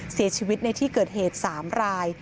เสียชีวิตในที่เกิดเหตุ๓ราย